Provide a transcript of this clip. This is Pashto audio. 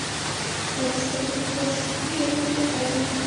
برجستګي د فاړسي ژبي ټکی دﺉ.